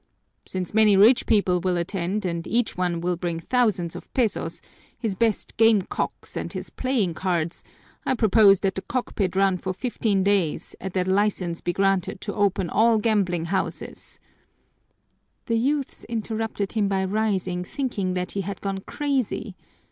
"Since many rich people will attend and each one will bring thousands of pesos, his best game cocks, and his playing cards, I propose that the cockpit run for fifteen days and that license be granted to open all gambling houses " The youths interrupted him by rising, thinking that he had gone crazy.